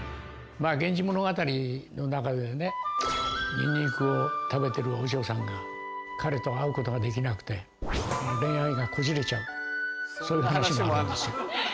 ニンニクを食べてるお嬢さんが彼と会うことができなくて恋愛がこじれちゃうそういう話もあるんですよ。